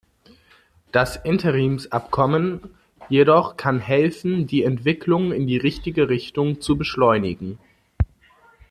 Das Interimsabkommen jedoch kann helfen, die Entwicklung in die richtige Richtung zu beschleunigen.